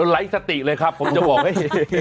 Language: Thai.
ไร้สติเลยครับผมจะบอกให้